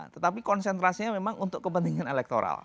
tetapi konsentrasinya memang untuk kepentingan elektoral